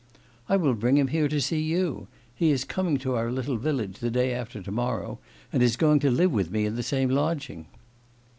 'I will bring him here to see you. He is coming to our little village the day after tomorrow, and is going to live with me in the same lodging.